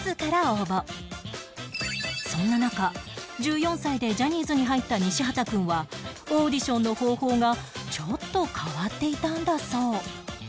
そんな中１４歳でジャニーズに入った西畑くんはオーディションの方法がちょっと変わっていたんだそう